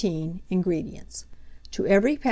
INGREDIENTS. To every lb.